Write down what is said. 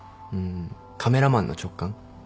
うんカメラマンの直感。